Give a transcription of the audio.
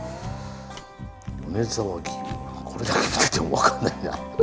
これだけ見てても分かんないな。